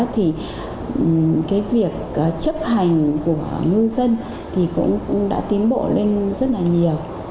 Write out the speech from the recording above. thì cái việc chấp hành của ngư dân thì cũng đã tiến bộ lên rất là nhiều